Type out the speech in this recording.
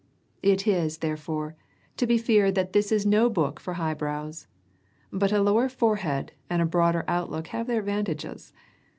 It is, therefore, to be feared that this is no book for highbrows. But a lower forehead and a broader outlook have their advantages.